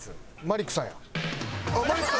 マリックさん。